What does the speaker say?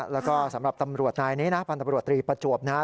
แล้วก็สำหรับตำรวจนายนี้นะพันธบรวตรีประจวบนะฮะ